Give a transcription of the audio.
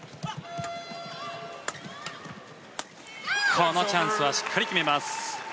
このチャンスはしっかり決めます。